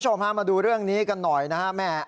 โชคพามาดูเรื่องนี้กันหน่อยนะครับแม่